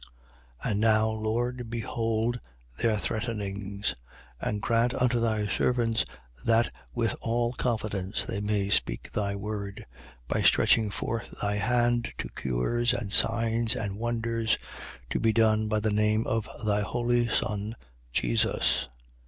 4:29. And now, Lord, behold their threatenings: and grant unto thy servants that with all confidence they may speak thy word, 4:30. By stretching forth thy hand to cures and signs and wonders, to be done by the name of thy holy Son, Jesus.